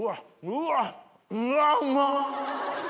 うわうまっ。